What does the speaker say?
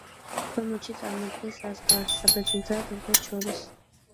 ქვემოთში წარმოადგენს საზღვარს საბერძნეთსა და თურქეთს შორის.